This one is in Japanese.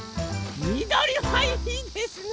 みどりはいいですね！